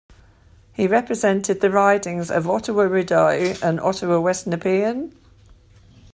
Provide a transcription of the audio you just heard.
He represented the ridings of Ottawa-Rideau and Ottawa West-Nepean.